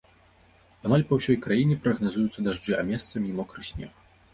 Амаль па ўсёй краіне прагназуюцца дажджы, а месцамі і мокры снег.